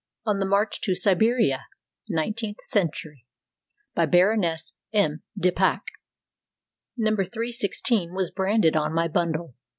ON THE MARCH TO SIBERIA [Nineteenth century] BY BARONESS M. DE PACKH No 316 was branded on my bundle.